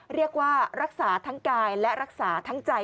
เรียกว่ารักษาทั้งกายและรักษาทั้งใจ